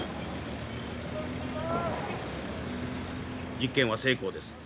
実験は成功です。